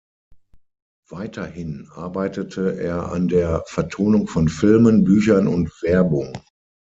Weiterhin arbeitete er an der Vertonung von Filmen, Büchern und Werbung.